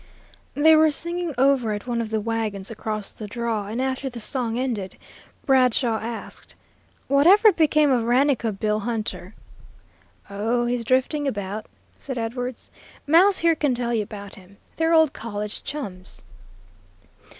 They were singing over at one of the wagons across the draw, and after the song ended, Bradshaw asked, "What ever became of Raneka Bill Hunter?" "Oh, he's drifting about," said Edwards. "Mouse here can tell you about him. They're old college chums."